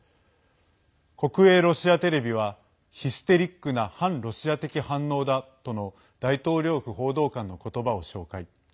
国営ロシアテレビはヒステリックな反ロシア的反応だとの大統領府報道官の言葉を紹介。